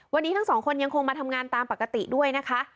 วันนี้ทั้งสองคนยังคงมาทำงานตามปกติด้วยนะคะ